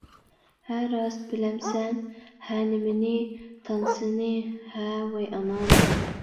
ھە راست، بىلەمسەن؟ -ھە، نېمىنى؟ -تانسىنى؟ -ھە؟ -ۋاي ئانام.